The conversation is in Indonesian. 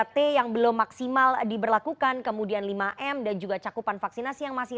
tiga t yang belum maksimal diberlakukan kemudian lima m dan juga cakupan vaksinasi yang masih